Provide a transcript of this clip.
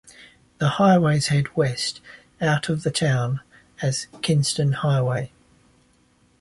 The highways head west out of the town as Kinston Highway.